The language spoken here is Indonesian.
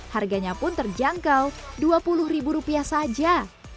harganya pun terjangkau dua puluh ribu rupiah saja